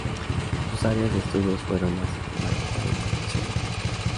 Sus áreas de estudios fueron la sistemática y la fisiología.